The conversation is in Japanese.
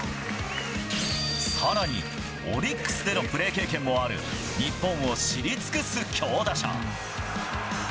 さらに、オリックスでのプレー経験もある、日本を知り尽くす強打者。